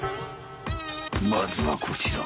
まずはこちら！